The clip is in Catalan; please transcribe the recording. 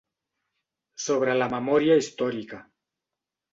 Sobre la memòria històrica.